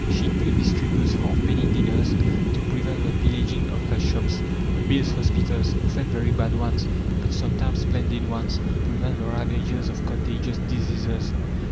She, too, distributes halfpenny dinners to prevent the pillaging of her shops; builds hospitals often very bad ones, but sometimes splendid ones to prevent the ravages of contagious diseases.